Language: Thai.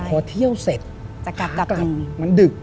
พอเที่ยวเสร็จจะกลับมันดึก